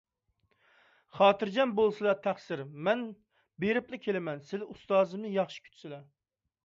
خاتىرجەم بولسىلا، تەقسىر. مەن بېرىپلا كېلىمەن، سىلى ئۇستازىمنى ياخشى كۈتسىلە.